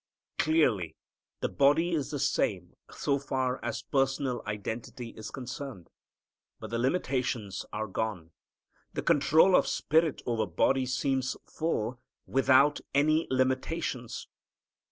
Clearly the body is the same so far as personal identity is concerned. But the limitations are gone. The control of spirit over body seems full, without any limitations.